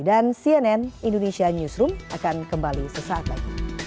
dan cnn indonesia newsroom akan kembali sesaat lagi